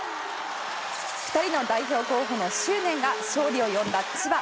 ２人の代表候補の執念が勝利を呼んだ千葉。